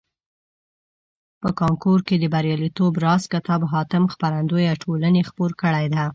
په کانکور کې د بریالیتوب راز کتاب حاتم خپرندویه ټولني خپور کړیده.